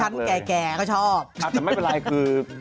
แต่ไม่เป็นไรคือ